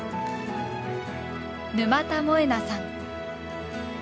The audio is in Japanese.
沼田萌菜さん。